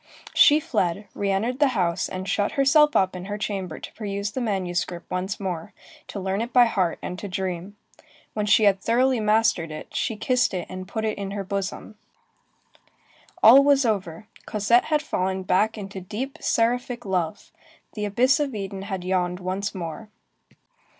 She fled, re entered the house, and shut herself up in her chamber to peruse the manuscript once more, to learn it by heart, and to dream. When she had thoroughly mastered it she kissed it and put it in her bosom. All was over, Cosette had fallen back into deep, seraphic love. The abyss of Eden had yawned once more.